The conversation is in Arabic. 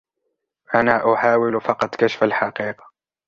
انا احاول فقط كشف الحقيقة.